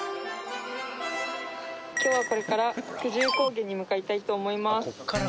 今日はこれから久住高原に向かいたいと思います。